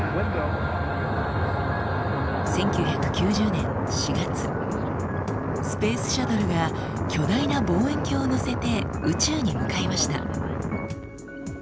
１９９０年４月スペースシャトルが巨大な望遠鏡を載せて宇宙に向かいました。